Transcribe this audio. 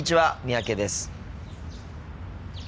三宅です。